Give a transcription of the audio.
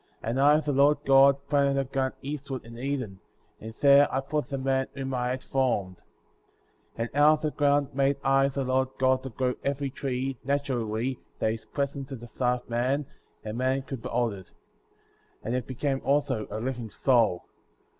And I, the Lord God, planted a garden east ward in Eden,^ and there I put the man whom I had formed. 9. And out of the ground made I, the Lord God, to grow every tree, naturally,* that is pleasant to the sight of man; and man could behold it. And it became also a living soul.